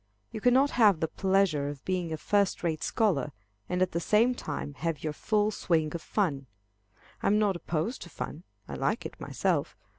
You cannot have the pleasure of being a first rate scholar, and at the same time have your full swing of fun. I am not opposed to fun. I like it myself.